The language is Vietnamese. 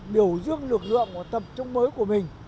biểu dương lực lượng của tập trung mới của mình